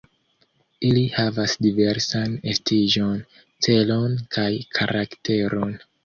Ili havas diversan estiĝon, celon kaj karakteron.